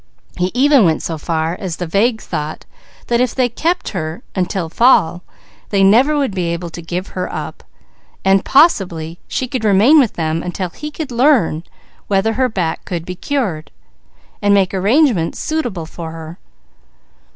He even went so far as the vague thought that if they kept her until fall, they never would be able to give her up, and possibly she could remain with them until he could learn whether her back could be cured, and make arrangements suitable for her.